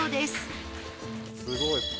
すごい。